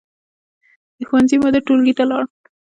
د ښوونځي مدیر ټولګي ته لاړ.